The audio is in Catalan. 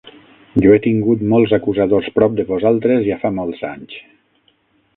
Jo he tingut molts acusadors prop de vosaltres ja fa molts anys.